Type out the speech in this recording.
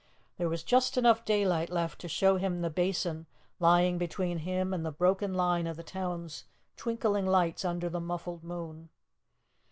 There was just enough daylight left to show him the Basin lying between him and the broken line of the town's twinkling lights under the muffled moon.